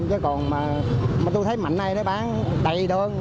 chứ còn mà tôi thấy mạnh này nó bán đầy đơn